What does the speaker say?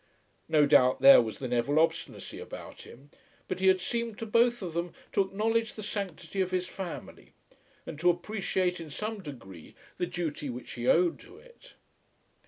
No doubt there was the Neville obstinacy about him; but he had seemed to both of them to acknowledge the sanctity of his family, and to appreciate in some degree the duty which he owed to it.